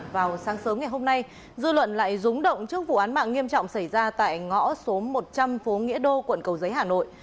vào sáng sớm ngày hôm nay dư luận lại rúng động trước vụ án mạng nghiêm trọng xảy ra tại ngõ số một trăm linh phố nghĩa đô quận cầu giấy hà nội